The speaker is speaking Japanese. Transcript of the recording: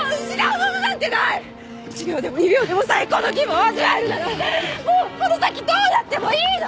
１秒でも２秒でも最高の気分を味わえるならもうこの先どうなってもいいの！